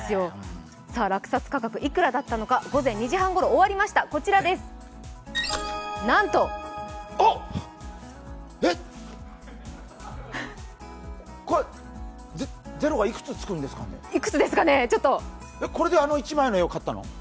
落札価格、いくらだったのか午前２時半ごろ終わりました、こちらです、なんとえっこれゼ、ゼロがいくつつくんですかこれで、あの１枚の絵を買ったの！？